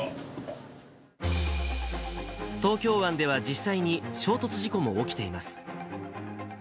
東京湾では実際に衝突事故も起きています。